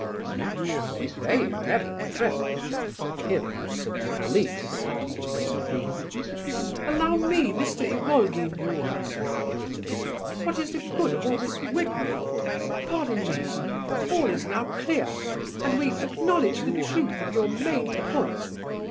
Naturally they never dreamt..." Here the voice of Hippolyte suddenly intervened. "Allow me, Mr. Ivolgin," he said irritably. "What is the good of all this rigmarole? Pardon me. All is now clear, and we acknowledge the truth of your main point.